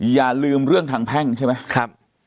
อย่าลืมเรื่องทางแพ่งใช่ไหม